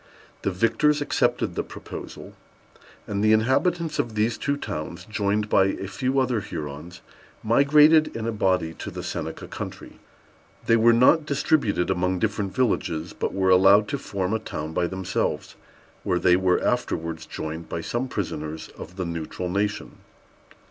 The victors accepted the proposal; and the inhabitants of these two towns, joined by a few other Hurons, migrated in a body to the Seneca country. They were not distributed among different villages, but were allowed to form a town by themselves, where they were afterwards joined by some prisoners of the Neutral Nation.